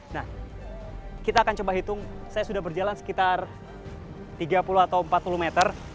nah kita akan coba hitung saya sudah berjalan sekitar tiga puluh atau empat puluh meter